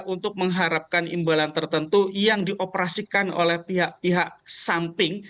untuk mengharapkan imbalan tertentu yang dioperasikan oleh pihak pihak samping